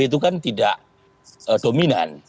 ini adalah pilihan yang tidak dominan